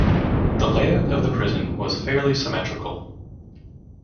The layout of the prison was fairly symmetrical.